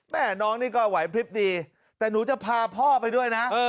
แม่น้องนี่ก็ไหวพลิบดีแต่หนูจะพาพ่อไปด้วยนะ